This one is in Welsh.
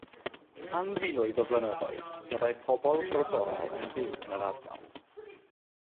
Am filoedd o flynyddoedd, byddai pobl frodorol yn byw yn yr ardal.